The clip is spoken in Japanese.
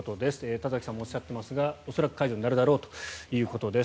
田崎さんもおっしゃっていますが恐らく解除になるだろうということです。